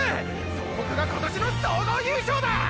総北が今年の総合優勝だ！！